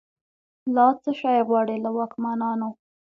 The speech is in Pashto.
لا« څشي غواړی» له واکمنانو